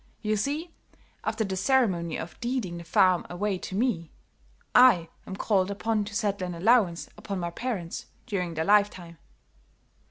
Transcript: You see, after the ceremony of deeding the farm away to me, I am called upon to settle an allowance upon my parents during their lifetime."